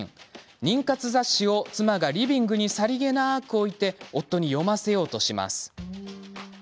妊活雑誌を妻がリビングにさりげなく置いて夫に読ませようとします。